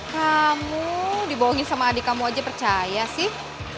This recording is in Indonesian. kamu dibohongin sama adik kamu aja percaya sih